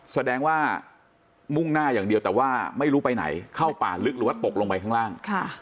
แสดงว่ามุ่งหน้าอย่างเดียวแต่ว่าไม่รู้ไปไหนเข้าป่าลึกหรือว่าตกลงไปข้างล่าง